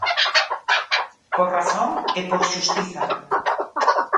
Por razón e por xustiza.